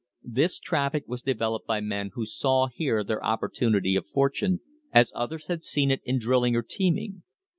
This traffic was developed by men tho saw here their opportunity of fortune, as others had en it in drilling or teaming.